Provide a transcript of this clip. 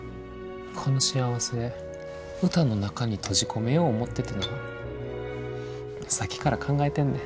この幸せ歌の中に閉じ込めよう思っててなさっきから考えてんねん。